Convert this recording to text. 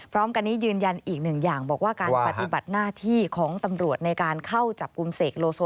พร้อมกันนี้ยืนยันอีกหนึ่งอย่างบอกว่าการปฏิบัติหน้าที่ของตำรวจในการเข้าจับกลุ่มเสกโลโซ